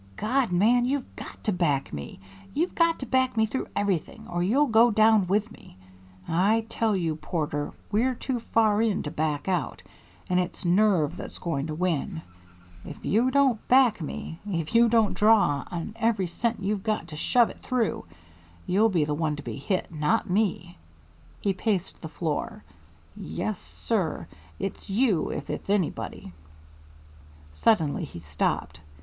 "God, man! you've got to back me! You've got to back me through everything, or you'll go down with me. I tell you, Porter, we're too far in to back out, and it's nerve that's going to win. If you don't back me, if you don't draw on every cent you've got to shove it through, you'll be the one to be hit not me." He paced the floor. "Yes, sir. It's you if it's anybody." Suddenly he stopped.